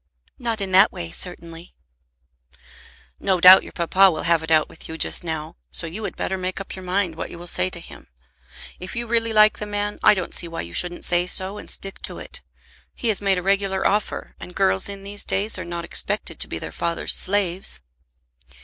"Not in that way, certainly." "No doubt your papa will have it out with you just now; so you had better make up your mind what you will say to him. If you really like the man, I don't see why you shouldn't say so, and stick to it. He has made a regular offer, and girls in these days are not expected to be their father's slaves."